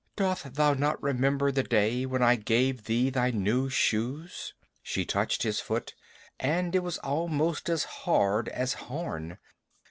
"Dost thou not remember the day when I gave thee thy new shoes?" She touched his foot, and it was almost as hard as horn.